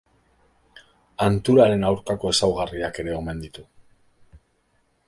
Hanturaren aurkako ezaugarriak ere omen ditu.